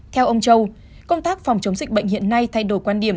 theo ông châu công tác phòng chống dịch bệnh hiện nay thay đổi quan điểm